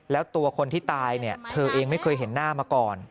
แล้วตัวคนที่ตายเนี่ยเธอเองไม่เคยเห็นหน้ามาก่อน